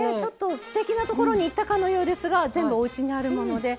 すてきなところに行ったかのようですが全部、おうちにあるもので。